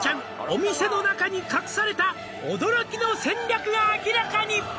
「お店の中に隠された驚きの戦略が明らかに」